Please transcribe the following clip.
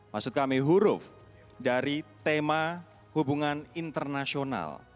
maksud kami huruf dari tema hubungan internasional